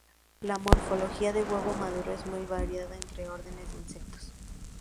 La morfología del huevo maduro es muy variada entre órdenes de insectos.